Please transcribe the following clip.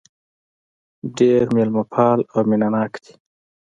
ډېر مېلمه پال او مينه ناک دي.